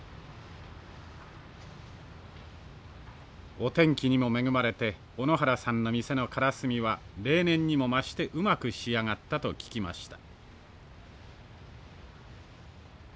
お天気にも恵まれて小野原さんの店のからすみは例年にも増してうまく仕上がったと聞きました。